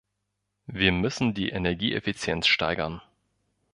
Wir müssen die Energieeffizienz steigern!